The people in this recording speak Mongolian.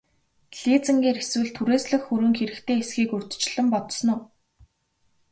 Лизингээр эсвэл түрээслэх хөрөнгө хэрэгтэй эсэхийг урьдчилан бодсон уу?